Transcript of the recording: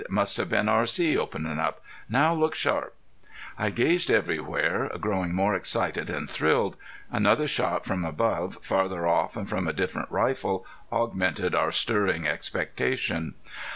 "Must have been R.C. openin' up. Now look sharp!" I gazed everywhere, growing more excited and thrilled. Another shot from above, farther off and from a different rifle, augmented our stirring expectation.